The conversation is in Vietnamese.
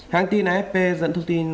hãng tin afp dẫn thông tin